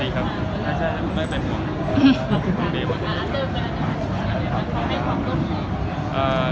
ดีครับถ้าใช่มันไม่เป็นปัญหา